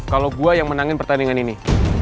kalau gue yang menangin pertandingan ini